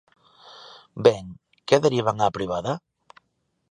Ben, ¿que derivan á privada?